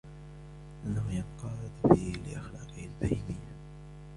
لِأَنَّهُ يَنْقَادُ فِيهِ لِأَخْلَاقِهِ الْبَهِيمِيَّةِ